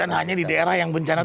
dan hanya di daerah yang bencana tadi